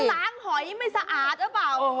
ล้างหอยไม่สะอาดหรือเปล่า